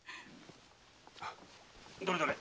どれどれ。